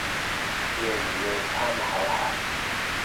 要唔要參考下